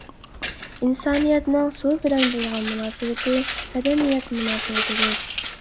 ئىنسانىيەتنىڭ سۇ بىلەن بولغان مۇناسىۋىتى مەدەنىيەت مۇناسىۋىتىدۇر.